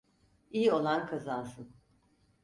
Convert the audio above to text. İyi olan kazansın.